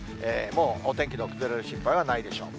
もう、お天気の崩れる心配はないでしょう。